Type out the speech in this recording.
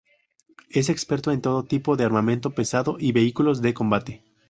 Es experto en todo tipo de armamento pesado y vehículos de combate.